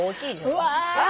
うわ。